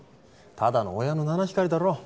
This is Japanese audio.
ただの親の七光りだろ？